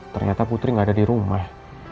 ternyata putri gak ada dirumah